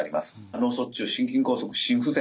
脳卒中心筋梗塞心不全